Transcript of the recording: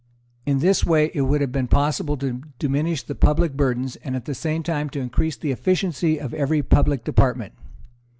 In this way it would have been possible to diminish the public burdens, and at the same time to increase the efficiency of every public department.